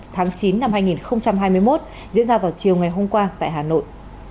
tháng chín năm hai nghìn hai mươi một diễn ra vào chiều ngày hôm qua tại hà nội